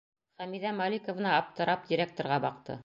Хәмиҙә Маликовна аптырап директорға баҡты: